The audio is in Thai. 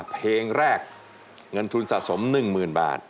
เพลงแรกเงินทุนสะสม๑๐๐๐บาท